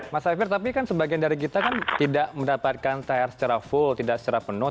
mas safir tapi kan sebagian dari kita kan tidak mendapatkan thr secara full tidak secara penuh